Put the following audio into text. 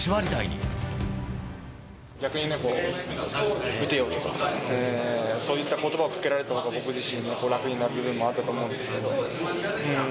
逆にね、打てよとかそういったことばをかけられたほうが僕自身、楽になる部分もあったと思うんですけど。